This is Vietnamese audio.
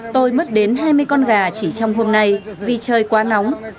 tôi mất đến hai mươi con gà chỉ trong hôm nay vì trời quá nóng